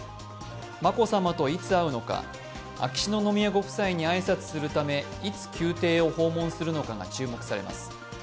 眞子さまといつ会うのか、秋篠宮ご夫妻に挨拶するため、いつ宮廷を訪問するのかが注目されます。